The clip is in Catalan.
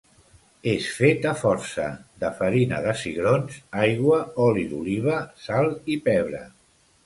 És fet a força de farina de cigrons, aigua, oli d'oliva, sal i pebre.